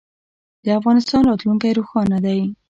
د افغانستان راتلونکی روښانه دی